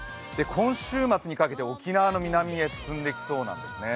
今週末にかけて沖縄の南に進んでいきそうなんですよね。